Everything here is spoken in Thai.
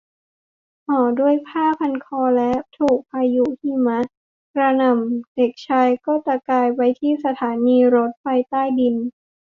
ห่อด้วยผ้าพันคอและถูกพายุหิมะกระหน่ำเด็กชายก็ตะกายไปที่สถานีรถไฟใต้ดิน